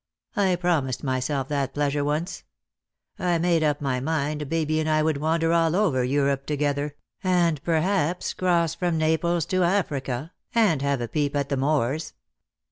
I promised myself that pleasure once. I made up my mind Baby and I would wander all over Europe together, and perhaps cross from Naples to Africa, and have a peep at the Moors.